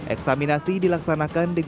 eksaminasi dilaksanakan dikirimkan